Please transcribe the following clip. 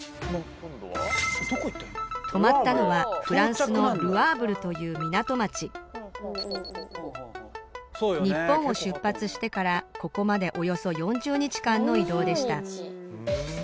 止まったのはフランスのル・アーヴルという港町日本を出発してからここまでおよそ４０日間の移動でした